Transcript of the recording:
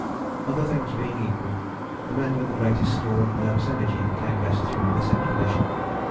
Other things being equal, the men with the greatest store of nervous energy came best through this expedition.